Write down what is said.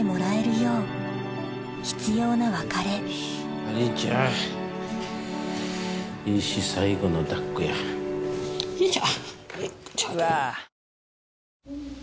よいしょ。